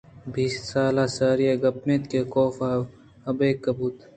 بیست سال ساری ءِ گپ اِنت کاف ابکہّ بوت